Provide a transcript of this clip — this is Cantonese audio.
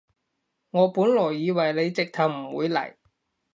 我本來以為你直頭唔會嚟